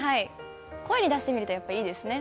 声に出してみるといいですね。